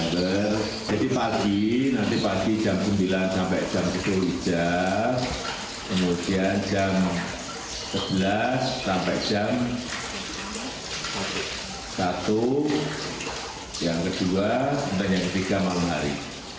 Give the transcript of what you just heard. dalam sebelas sampai jam satu yang kedua dan yang ketiga malam hari